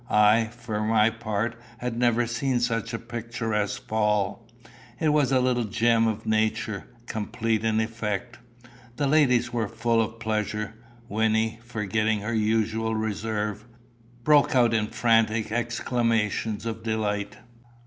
I, for my part, had never seen such a picturesque fall. It was a little gem of nature, complete in effect. The ladies were full of pleasure. Wynnie, forgetting her usual reserve, broke out in frantic exclamations of delight.